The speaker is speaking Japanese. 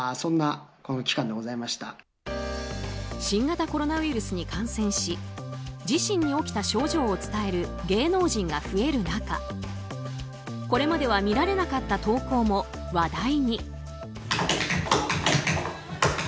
新型コロナウイルスに感染し自身に起きた症状を伝える芸能人が増える中これまでは見られなかった投稿も話題に。